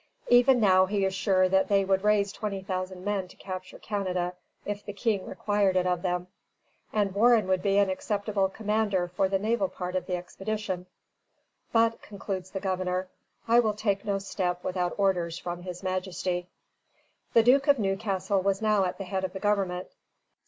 Even now, he is sure that they would raise twenty thousand men to capture Canada, if the King required it of them, and Warren would be an acceptable commander for the naval part of the expedition; "but," concludes the Governor, "I will take no step without orders from his Majesty." [Footnote: Shirley to Newcastle, 29 Oct. 1745.] The Duke of Newcastle was now at the head of the Government.